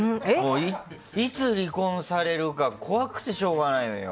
いつ離婚されるか怖くてしょうがないのよ。